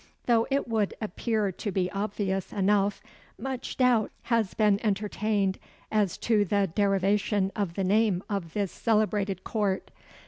Though it would appear to be obvious enough, much doubt has been entertained as to the derivation of the name of this celebrated Court.